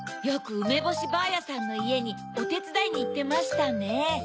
よくうめぼしばあやさんのいえにおてつだいにいってましたね。